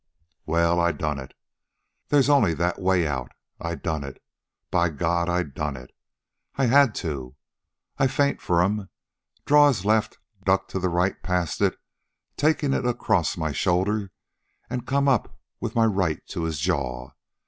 "Well, I done it. They's only that way out. I done it. By God, I done it. I had to. I feint for 'm, draw his left, duck to the right past it, takin' it across my shoulder, an come up with my right to his jaw.